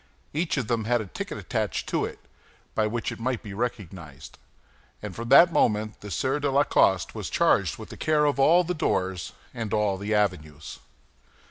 Each of them had a ticket attached to it, by which it might be recognized; and from that moment the Sieur de la Coste was charged with the care of all the doors and all the avenues.